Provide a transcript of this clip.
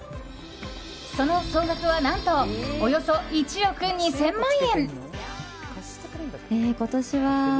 その総額は何とおよそ１億２０００万円。